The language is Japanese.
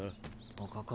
おかか。